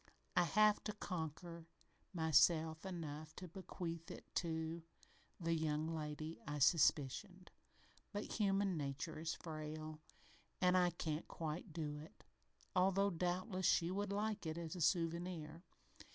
I have tried to conquer myself enough to bequeath it to the young lady I suspicioned, but human nature is frail, an' I can't quite do it, although doubtless she would like it as a souvenir.